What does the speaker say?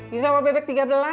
di sawah bebek tiga belas